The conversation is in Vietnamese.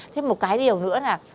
thế một cái điều nữa là